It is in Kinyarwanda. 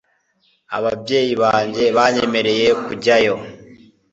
ababyeyi banjye banyemereye kujyayo